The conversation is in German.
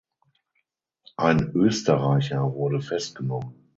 Ein Österreicher wurde festgenommen.